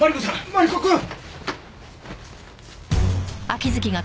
マリコくん！